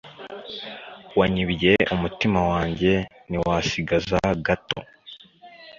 Wanyibye umutima wanjye niwasigaza gato